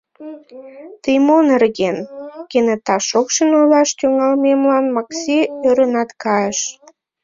Тый мо нерген? — кенета шокшын ойлаш тӱҥалмемлан Макси ӧрынат кайыш.